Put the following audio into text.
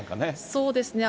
そうですね。